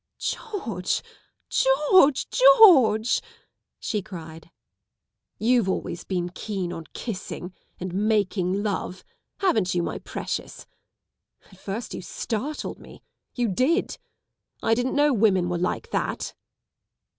" George, George, Georgel" she cried. " You've always been keen on kissing and making love, haven't you, my precious? At first you startled ms, you did! I didn't know women were like that."